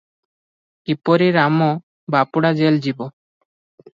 କିପରି ରାମ ବାପୁଡା ଜେଲ ଯିବ